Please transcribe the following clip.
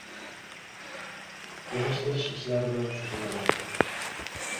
Yig‘ishtirish ishlari bilan shug‘ullanardik.